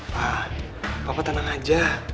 pak papa tenang aja